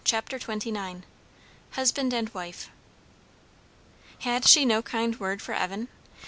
CHAPTER XXIX. HUSBAND AND WIFE. Had she no kind word for Evan?